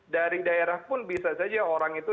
dari daerah pun bisa saja orang itu